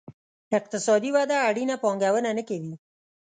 اقتصادي وده اړینه پانګونه نه کوي.